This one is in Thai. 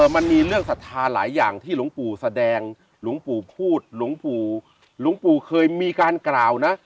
มันมีเรื่องศรัทธาหลายอย่างที่หลวงปู่แสดงหลวงปู่พูดหลวงปู่หลวงปู่เคยมีการกล่าวนะ